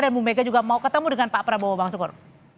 dan bu mega juga mau ketemu dengan pak prabowo bang sukur